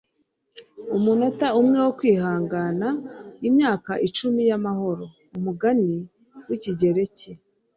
umunota umwe wo kwihangana, imyaka icumi y'amahoro. - umugani w'ikigereki